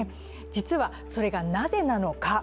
実はそれがなぜなのか。